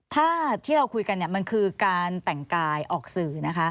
ถ้าที่เราคุยกันมันคือการแต่งกายออกสื่อนะคะ